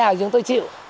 thế nào chúng tôi chịu